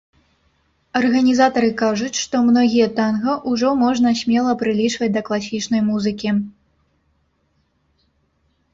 Арганізатары кажуць, што многія танга ўжо можна смела прылічваць да класічнай музыкі.